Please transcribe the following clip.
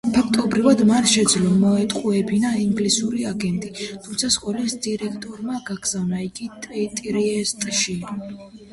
ფაქტობრივად მან შეძლო მოეტყუებინა ინგლისელი აგენტი, თუმცა სკოლის დირექტორმა გააგზავნა იგი ტრიესტში.